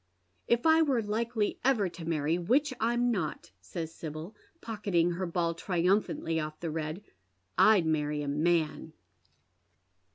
" If I were likely ever to marry, which I'm not," says Sibyl, pocketing her ball triumphantly ofE the red, " I'd marry a man."